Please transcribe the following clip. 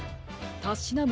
たしなむ